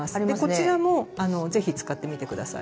こちらもぜひ使ってみて下さい。